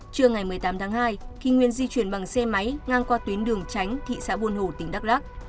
trưa ngày một mươi tám tháng hai khi nguyên di chuyển bằng xe máy ngang qua tuyến đường tránh thị xã buôn hồ tỉnh đắk lắc